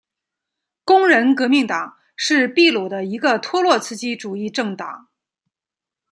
工人革命党是秘鲁的一个托洛茨基主义政党。